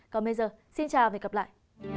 còn bây giờ xin chào và hẹn gặp lại